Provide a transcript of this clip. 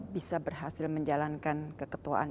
bisa berhasil menjalankan keketuaan